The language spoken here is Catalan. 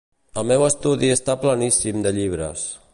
El meu estudi està pleníssim de llibres.